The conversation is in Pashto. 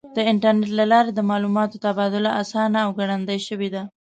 د انټرنیټ له لارې د معلوماتو تبادله آسانه او ګړندۍ شوې ده.